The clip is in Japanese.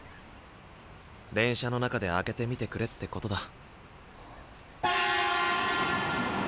電車の中で開けてみてくれってことだ。